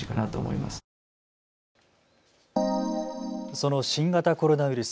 その新型コロナウイルス。